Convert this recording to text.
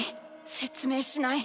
説明しない。